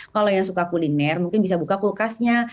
kalau yang suka kuliner mungkin bisa buka kulkasnya